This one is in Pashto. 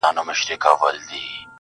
کښته پسي ځه د زړه له تله یې را و باسه,